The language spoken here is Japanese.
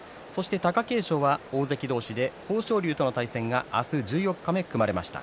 貴景勝は大関同士豊昇龍との対戦が明日、十四日目に組まれました。